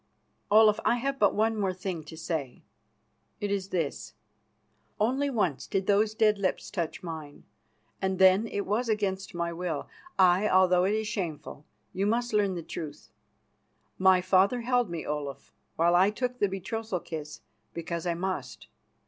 "Olaf, I have but one thing more to say. It is this: Only once did those dead lips touch mine, and then it was against my will. Aye, although it is shameful, you must learn the truth. My father held me, Olaf, while I took the betrothal kiss, because I must.